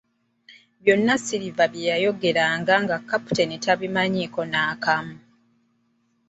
Byonna Silver bye yayogeranga nga Kapitaani tabimanyiiko n'akamu.